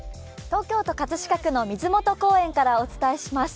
東京都葛飾区の水元公園からお伝えします。